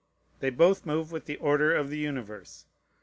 They both move with the order of the universe.